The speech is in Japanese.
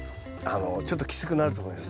ちょっときつくなると思います。